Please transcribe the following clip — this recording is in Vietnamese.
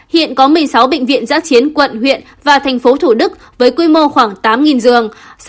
hiện có một mươi sáu bệnh viện giã chiến quận huyện và thành phố thủ đức với quy mô khoảng tám giường